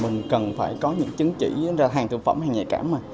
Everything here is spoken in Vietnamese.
mình cần phải có những chứng chỉ hàng thực phẩm hay nhạy cảm mà